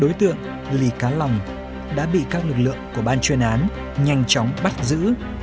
đối tượng ly cá lòng đã bị các lực lượng của ban chuyên án nhanh chóng bắt giữ